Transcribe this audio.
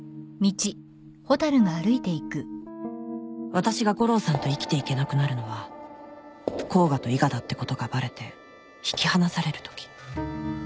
私が悟郎さんと生きていけなくなるのは甲賀と伊賀だってことがバレて引き離されるとき